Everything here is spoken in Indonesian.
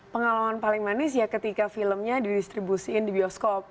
pengalaman paling manis ya ketika filmnya didistribusikan di bioskop